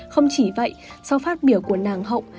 không chỉ vậy sau phát biểu của nàng hậu